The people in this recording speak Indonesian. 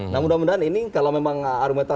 nah mudah mudahan ini kalau memang armada